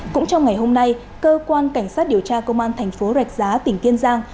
cũng trong ngày hôm nay cơ quan cảnh sát điều tra công an thành phố rạch giá tỉnh kiên giang